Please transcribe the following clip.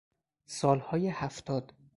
سالهای هفتاد